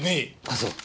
あそう。